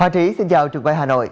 hòa trí xin chào trường quay hà nội